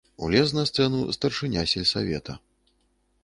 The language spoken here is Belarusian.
Узлез на сцэну старшыня сельсавета.